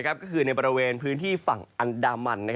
ก็คือในบริเวณพื้นที่ฝั่งอันดามัน